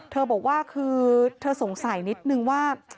เธอบอกว่าคือเธอสงสัยนิดนึงว่า